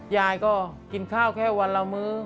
ยายก็กินข้าวแค่วันละมื้อ